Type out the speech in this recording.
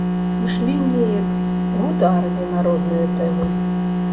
Ішлі неяк, гутарылі на розныя тэмы.